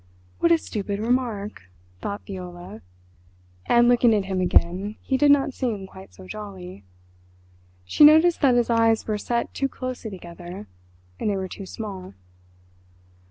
"What a stupid remark!" thought Viola, and looking at him again he did not seem quite so jolly. She noticed that his eyes were set too closely together—and they were too small.